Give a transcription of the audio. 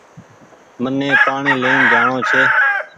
مني پآڻيٚ لين جآڻو ڇي۔